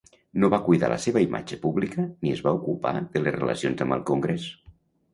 No va cuidar la seva imatge pública, ni es va ocupar de les relacions amb el Congrés.